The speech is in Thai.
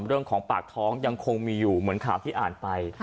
เรื่องของปากท้องยังคงมีอยู่เหมือนข่าวที่อ่านไป